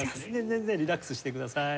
全然リラックスしてください。